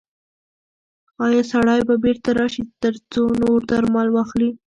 ایا سړی به بیرته راشي ترڅو نور درمل واخلي؟